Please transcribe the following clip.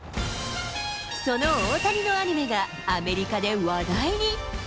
その大谷のアニメが、アメリカで話題に。